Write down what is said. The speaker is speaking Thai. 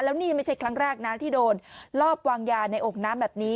แล้วนี่ไม่ใช่ครั้งแรกนะที่โดนลอบวางยาในอกน้ำแบบนี้